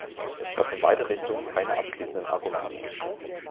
Es gab in beide Richtungen keine abschließenden Argumente.